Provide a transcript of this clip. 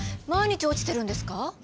毎日落ちてるんですか？